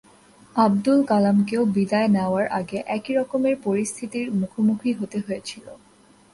আবদুল কালামকেও বিদায় নেওয়ার আগে একই রকমের পরিস্থিতির মুখোমুখি হতে হয়েছিল।